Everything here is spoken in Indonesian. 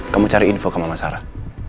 kamu cari info ke mama sarah